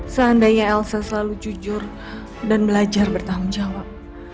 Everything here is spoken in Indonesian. seandainya elsa selalu jujur dan belajar bertanggung jawab